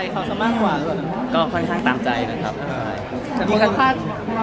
ความคลุกก็จะมีปัญหา